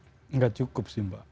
tidak cukup sih mbak